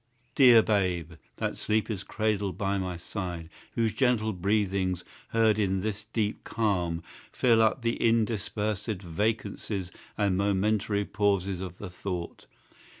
Dear Babe, that sleepest cradled by my side, Whose gentle breathings, heard in this deep calm, Fill up the interspersed vacancies And momentary pauses of the thought!